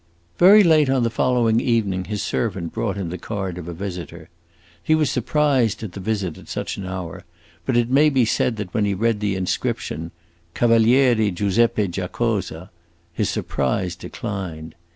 Very late on the following evening his servant brought him the card of a visitor. He was surprised at a visit at such an hour, but it may be said that when he read the inscription Cavaliere Giuseppe Giacosa his surprise declined.